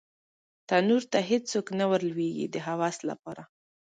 تنور ته هېڅوک نه ور لویږې د هوس لپاره